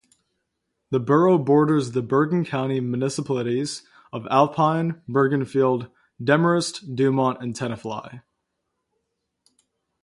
The borough borders the Bergen County municipalities of Alpine, Bergenfield, Demarest, Dumont and Tenafly.